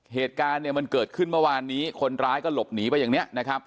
เหตุการณ์เนี่ยมันเกิดขึ้นเมื่อวานนี้คนร้ายก็หลบหนีไปอย่างนี้นะครับ